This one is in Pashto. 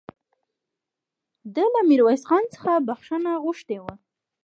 ده له ميرويس خان څخه بخښنه غوښتې وه